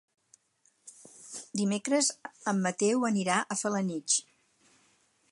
Dimecres en Mateu anirà a Felanitx.